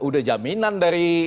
sudah jaminan dari